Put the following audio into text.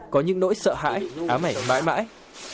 có những nỗi sợ hãi ám ảnh mãi mãi